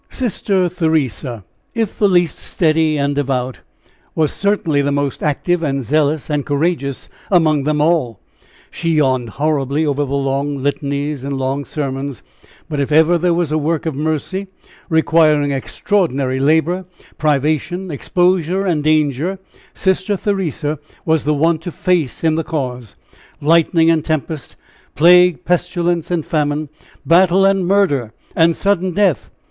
Sister Theresa, if the least steady and devout, was certainly the most active and zealous and courageous among them all. She yawned horribly over the long litanies and long sermons; but if ever there was a work of mercy requiring extraordinary labor, privation, exposure and danger, Sister Theresa was the one to face, in the cause, lightning and tempest, plague, pestilence and famine, battle and murder, and sudden death!